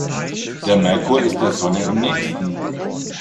Der Merkur ist der Sonne am nähesten.